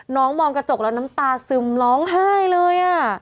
น้องมองกระจกแล้วน้ำตาซึมร้องไห้เลย